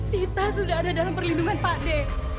kita sudah ada dalam perlindungan pak d